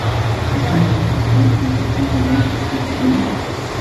Algunas veces el palio se inserta en programas de fiestas medievales.